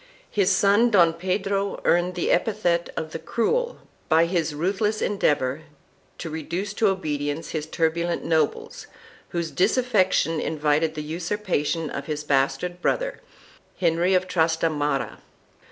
2 His son, Don Pedro, earned the epithet of the Cruel by his ruthless endeavor to reduce to obedience his turbulent nobles, whose disaffection invited the usurpation of his bastard brother, Henry of Trastamara.